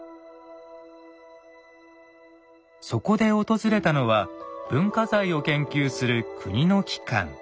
そこで訪れたのは文化財を研究する国の機関。